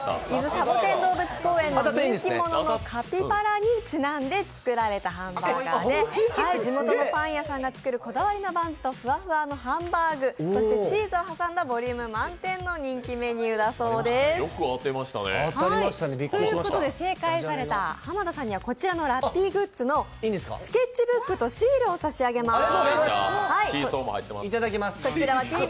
シャボテン動物公園の人気者のカピバラにちなんで作られたハンバーガーで地元のパン屋さんが作るこだわりのバンズとふわふわのハンバーグ、そしてチーズを挟んだボリューム満点の人気バーガーだそうです。ということで正解された濱田さんにはラッピーグッズのスケッチブックとシールを差し上げます！